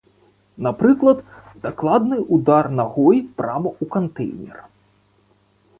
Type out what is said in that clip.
Напрыклад, дакладны ўдар нагой прама ў кантэйнер.